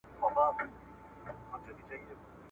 پلار خپله انديښنه هم څرګنده کړه.